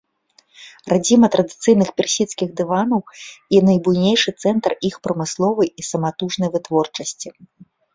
Радзіма традыцыйных персідскіх дыванаў і найбуйнейшы цэнтр іх прамысловай і саматужнай вытворчасці.